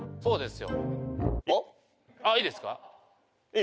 そうですよ。